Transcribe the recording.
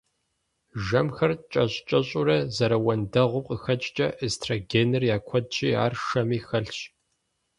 Жэмхэр кӀэщӀ-кӀэщӀурэ зэрыуэндэгъум къыхэкӀкӀэ, эстрогеныр я куэдщи, ар шэми хэлъщ.